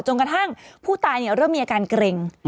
กระทั่งผู้ตายเริ่มมีอาการเกร็ง